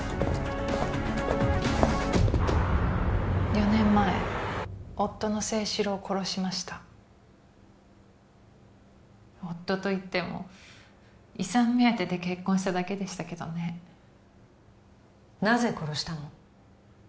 ４年前夫の征四郎を殺しました夫といっても遺産目当てで結婚しただけでしたけどねなぜ殺したの？